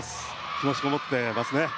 気持ちがこもってますね。